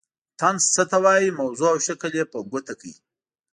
طنز څه ته وايي موضوع او شکل یې په ګوته کړئ.